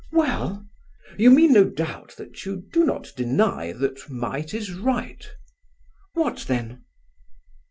"Well?" "You mean, no doubt, that you do not deny that might is right?" "What then?"